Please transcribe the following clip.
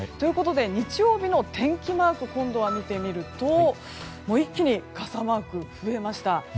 日曜日の天気マークを今度は見てみると一気に傘マーク、増えました。